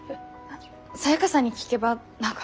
サヤカさんに聞けば何か。